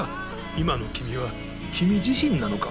今の君は君自身なのか？